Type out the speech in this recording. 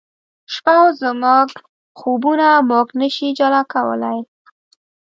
شپه او زموږ خوبونه موږ نه شي جلا کولای